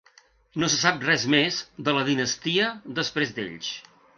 No se sap res més de la dinastia després d'ells.